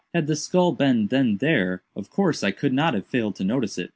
Had the skull been then there, of course I could not have failed to notice it.